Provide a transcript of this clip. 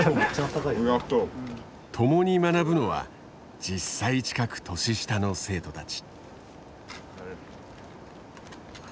共に学ぶのは１０歳近く年下の生徒たち。